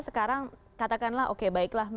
sekarang katakanlah oke baiklah